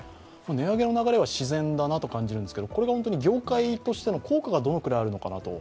値上げの流れは自然だなと感じるんですけど、これが本当に業界としての効果がどのくらいあるのかなと。